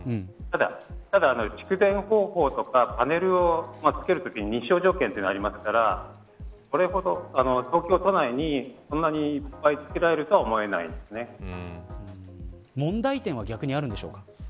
ただ、蓄電方法とかパネルをつけるときに日照条件というものがありますから東京都内に、そんなにいっぱい問題点は逆にあるんでしょうか。